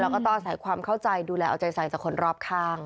แล้วก็ต้องอาศัยความเข้าใจดูแลเอาใจใส่จากคนรอบข้าง